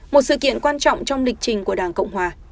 một sự kiện quan trọng trong lịch trình của đảng cộng hòa